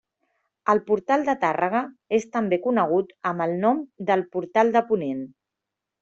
El portal de Tàrrega és també conegut amb el nom del portal de ponent.